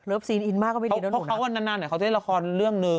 เลิฟซีนอินมากก็ไม่ดีแล้วหนูนะเพราะเขาว่านานเขาเล่นละครเรื่องนึง